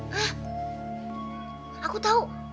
hah aku tahu